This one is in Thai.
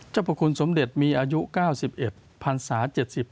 พระคุณสมเด็จมีอายุ๙๑พันศา๗๘